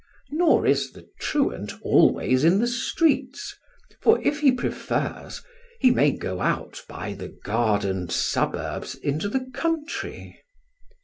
Nor is the truant always in the streets, for if he prefers, he may go out by the gardened suburbs into the country.